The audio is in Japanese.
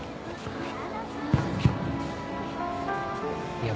いや。